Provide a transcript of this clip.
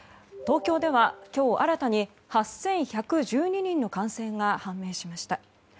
東京では今日新たに８１１２人の感染が判明しました。